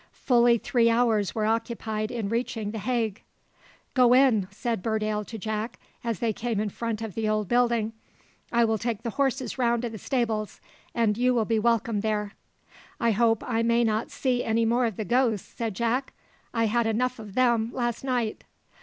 Fully three hours were occupied in reaching the Hagg. "Go in!" said Burdale to Jack, as they came in front of the old building. "I will take the horses round to the stables; and you will be welcome there." "I hope I may not see any more of the ghosts!" said Jack: "I had enough of them last night."